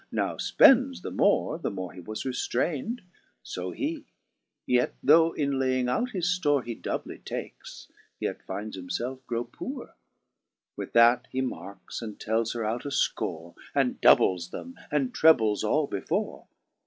Now fpends the more, the more he was reftrain'd ; So he ; yet though in laying out his ftorc He doubly takes, yet finds himielf grow poore ; With that he markes, and tels her out a fcore. And doubles them, and trebles all before.